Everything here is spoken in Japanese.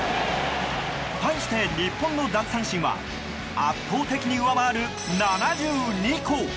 対して日本の奪三振は圧倒的に上回る７２個。